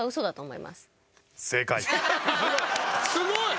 すごい！